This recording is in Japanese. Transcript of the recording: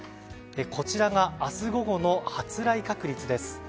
こちらが明日午後の発雷確率です。